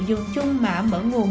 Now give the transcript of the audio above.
dùng chung mã mở nguồn